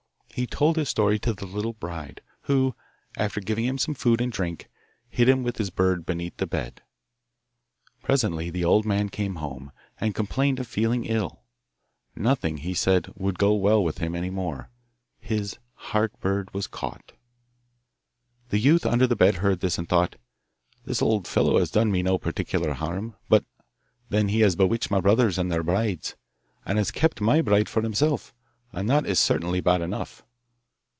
He told his story to the little bride, who, after giving him some food and drink, hid him with his bird beneath the bed. Presently the old man came home, and complained of feeling ill. Nothing, he said, would go well with him any more: his 'heart bird' was caught. The youth under the bed heard this, and thought, 'This old fellow has done me no particular harm, but then he has bewitched my brothers and their brides, and has kept my bride for himself, and that is certainly bad enough.